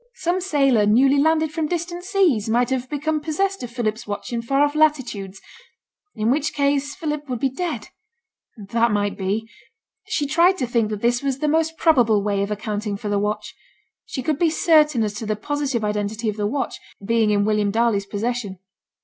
Some sailor newly landed from distant seas might have become possessed of Philip's watch in far off latitudes; in which case, Philip would be dead. That might be. She tried to think that this was the most probable way of accounting for the watch. She could be certain as to the positive identity of the watch being in William Darley's possession.